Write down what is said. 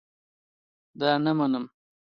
دا نه منم